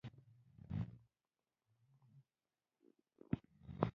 اسلامي وجیبه وګرځو او د اوبو سپما ته ور ودانګو.